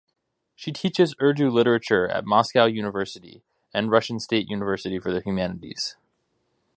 She teaches Urdu literature at Moscow University and Russian State University for the Humanities.